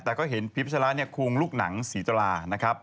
แต่ก็เห็นพิพัชระคุงลูกหนังศรีตรานะครับ